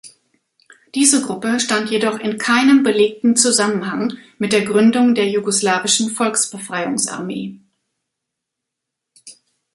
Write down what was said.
Diese Gruppe stand jedoch in keinem belegten Zusammenhang mit der Gründung der jugoslawischen Volksbefreiungsarmee.